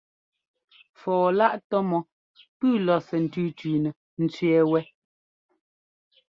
Fɔɔ-láꞌ tɔ́ mɔ́ pʉ́ʉ lɔ̌ɔsɛ́ ńtʉ́tʉ́nɛ ńtẅɛ́ɛ wɛ́.